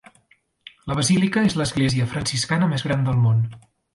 La Basílica és l'església franciscana més gran del món.